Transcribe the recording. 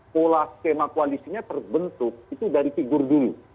pola skema koalisinya terbentuk itu dari figur dulu